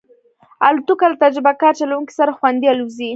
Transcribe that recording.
الوتکه له تجربهکار چلونکي سره خوندي الوزي.